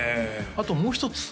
あともう一つ